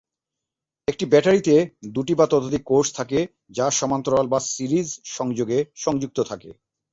একটি "ব্যাটারিতে" দুটি বা ততোধিক কোষ থাকে যা সমান্তরাল বা সিরিজ সংযোগে সংযুক্ত থাকে।